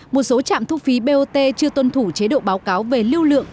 một số trạm thu phí bot chưa tuân thủ chế độ báo cáo về lưu lượng